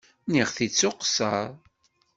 Nniɣ-t-id s uqeṣṣer.